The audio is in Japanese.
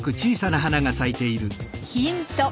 ヒント。